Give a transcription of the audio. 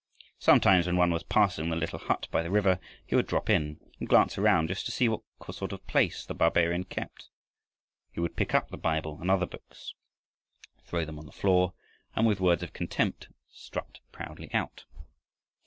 Sometimes when one was passing the little hut by the river, he would drop in, and glance around just to see what sort of place the barbarian kept. He would pick up the Bible and other books, throw them on the floor, and with words of contempt strut proudly out.